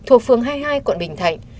thuộc phường hai mươi hai quận bình thạnh